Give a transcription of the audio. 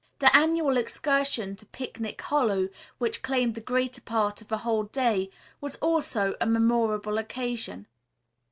The annual excursion to Picnic Hollow, which claimed the greater part of a whole day, was also a memorable occasion.